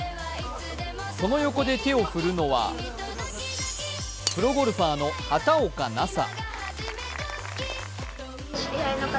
その横で手を振るのはプロゴルファーの畑岡奈紗。